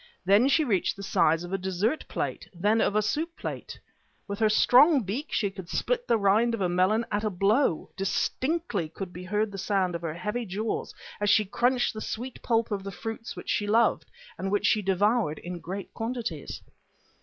Then she reached the size of a dessert plate, then of a soup plate. With her strong beak she could split the rind of a melon at a blow; distinctly could be heard the sound of her heavy jaws as she crunched the sweet pulp of the fruits which she loved, and which she devoured in great quantities.